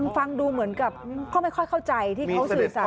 ฟังดูเหมือนกับก็ไม่ค่อยเข้าใจที่เขาสื่อสาร